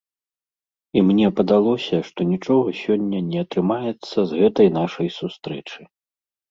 І мне падалося, што нічога сёння не атрымаецца з гэтай нашай сустрэчы.